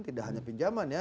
tidak hanya pinjamannya